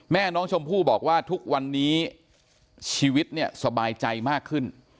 แม่น้องชมพู่บอกว่าทุกวันนี้ชีวิตเนี่ยสบายใจมากขึ้น